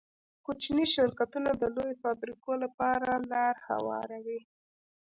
کوچني شرکتونه د لویو فابریکو لپاره لاره هواروي.